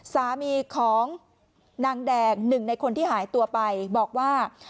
สามีของนางแดงหนึ่งในคนที่หายตัวไปบอกว่า